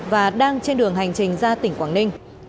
và đang trên đường hành trình ra tỉnh quảng ninh